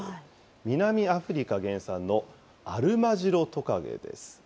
南アフリカ原産の、アルマジロトカゲです。